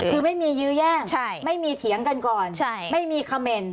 คือไม่มียื้อแย่งไม่มีเถียงกันก่อนไม่มีคำเมนต์